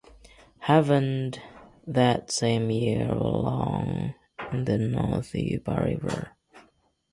Haven that same year along the North Yuba River.